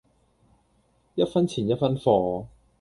一分錢一分貨